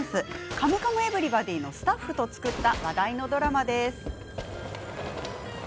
「カムカムエヴリバディ」のスタッフと作った話題のドラマです。